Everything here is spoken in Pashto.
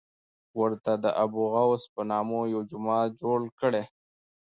ورته د ابوغوث په نامه یو جومات جوړ کړی.